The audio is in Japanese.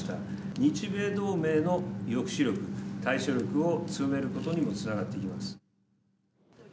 日米同盟の抑止力、対処力を強めることにもつながっていきます。